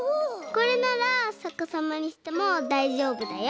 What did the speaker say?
これならさかさまにしてもだいじょうぶだよ！